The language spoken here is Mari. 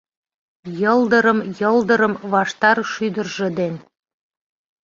Йылдырым-йылдырым ваштар шӱдыржӧ ден